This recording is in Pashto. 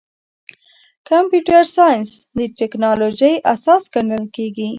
کمپیوټر ساینس د ټکنالوژۍ اساس ګڼل کېږي.